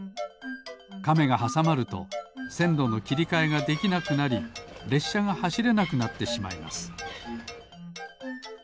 カメがはさまるとせんろのきりかえができなくなりれっしゃがはしれなくなってしまいます